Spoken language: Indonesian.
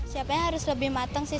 siapanya harus lebih matang sih